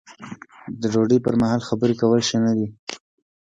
د ډوډۍ پر مهال خبرې کول ښه نه دي.